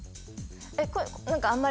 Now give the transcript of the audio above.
えっ何かあんまり。